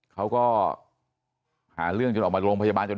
เขาก็หาเรื่องจนออกมาโรงพยาบาลจน